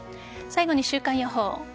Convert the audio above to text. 最後に週間予報。